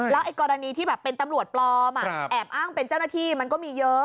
ไอ้กรณีที่แบบเป็นตำรวจปลอมแอบอ้างเป็นเจ้าหน้าที่มันก็มีเยอะ